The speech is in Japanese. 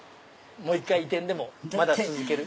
もう一回移転でも続ける？